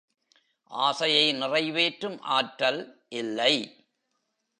ஆசையை நிறைவேற்றும் ஆற்றல் இல்லை.